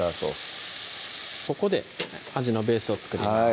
ここで味のベースを作ります